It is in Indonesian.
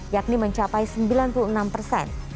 yakni mencapai sembilan puluh enam persen